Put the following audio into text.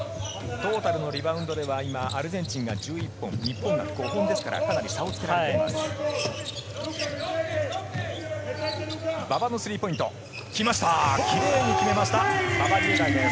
トータルのリバウンドでは今、アルゼンチンが１１本、日本が５本ですから、かなり差をつけられています。